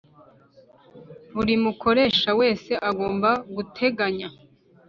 Buri mukoresha wese agomba guteganya